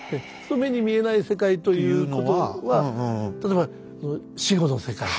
目に見えない世界というのは例えば「死後の世界」。